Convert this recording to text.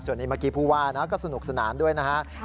ส่วนในเมื่อกี้ผู้ว่าก็สนุกสนานด้วยนะครับ